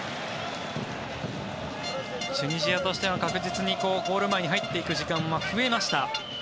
チュニジアとしては確実にゴール前に入っていく時間は増えました。